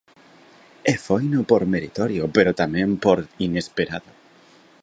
E foino por meritorio, pero tamén por inesperado.